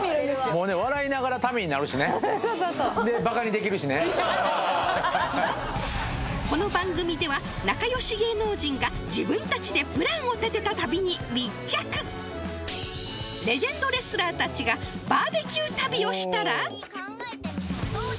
もうねそうそうこの番組では仲良し芸能人が自分たちでプランを立てた旅に密着レジェンドレスラーたちがだよね